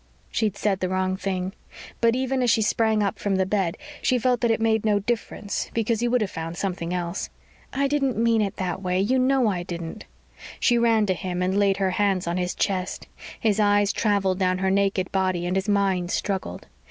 She'd said the wrong thing, but even as she sprang up from the bed she felt that it made no difference because he would have found something else. "I didn't mean it that way. You know I didn't." She ran to him and laid her hands on his chest; his eyes traveled down her naked body and his mind struggled.